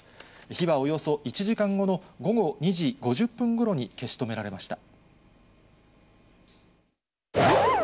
火はおよそ１時間後の午後２時５０分ごろに消し止められました。